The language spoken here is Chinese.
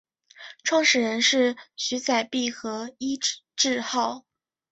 创始人是徐载弼和尹致昊。